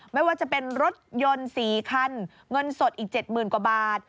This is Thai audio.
ไม่ว่าจะเป็นรถยนต์๔คันเงินสดอีก๗๐๐๐กว่าบาท